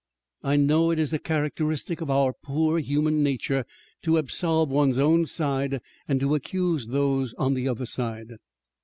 I know it is a characteristic of our poor human nature to absolve one's own side and to accuse those on the other side.